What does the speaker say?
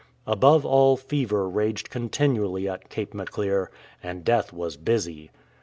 Above all fever raged continually at Cape Maclear, and death was busy.